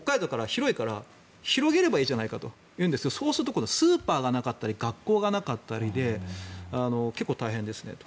広いから広げればいいじゃないかというんですがそうすると今度はスーパーがなかったり学校がなかったりで結構大変ですねと。